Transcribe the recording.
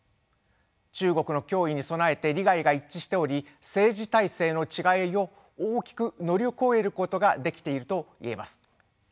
中国の脅威に備えて利害が一致しており政治体制の違いを大きく乗り越えることができているといえます。